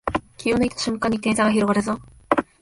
気を抜いた瞬間に点差が広がるぞ